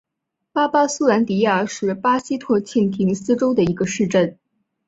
巴巴苏兰迪亚是巴西托坎廷斯州的一个市镇。